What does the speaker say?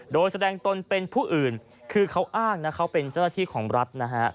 โดยแสดงตนเป็นผู้อื่นคือเขาอ้างนะเขาเป็นเจ้าหน้าที่ของรัฐนะฮะ